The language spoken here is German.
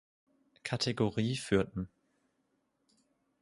Kategorie führten.